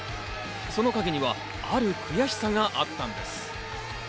その陰にはある悔しさがあったんです。